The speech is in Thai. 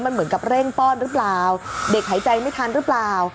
มันเหมือนกับเร่งป้อนหรือเปล่าเด็กหายใจไม่ทันหรือเปล่า